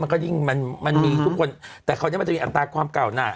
ก็ยิ่งมันมันมีทุกคนแต่คราวนี้มันจะมีอัตราความเก่าน่ะ